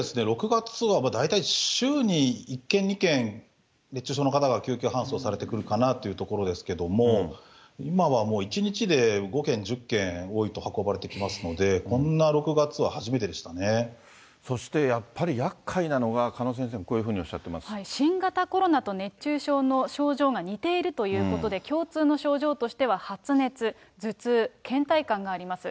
６月は大体週に１件、２件、熱中症の方が救急搬送されてくるかなというところですけれども、今はもう、１日で５件、１０件、多いと運ばれてきますので、こんそして、やっぱり厄介なのが、鹿野先生もこういうふうにおっしゃっていま新型コロナと熱中症の症状が似ているということで、共通の症状としては発熱、頭痛、けん怠感があります。